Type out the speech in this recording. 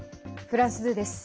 フランス２です。